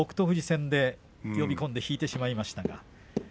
富士戦で呼び込んで引いてしまいました。